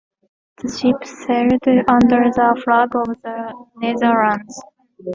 The ship sailed under the flag of the Netherlands.